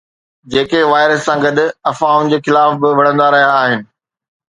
جيڪي وائرس سان گڏ افواهن جي خلاف به وڙهندا رهيا آهن.